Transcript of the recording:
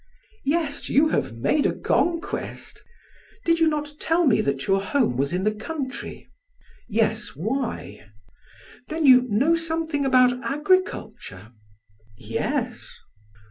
"Yes, you have made a conquest. Did you not tell me that your home was in the country?" "Yes; why?" "Then you know something about agriculture?" "Yes."